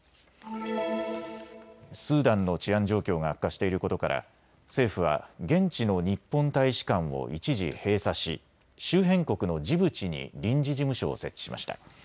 スーダンの治安状況が悪化していることから政府は現地の日本大使館を一時閉鎖し周辺国のジブチに臨時事務所を設置しました。